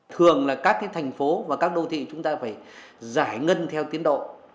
thường là các thành phố và các đô thị chúng ta phải giải ngân theo tiến độ